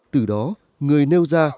từ đó người nêu ra